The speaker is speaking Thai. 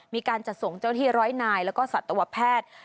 มีการจัดส่งเจ้าที่ร้อยนายแล้วก็สัตวแพทย์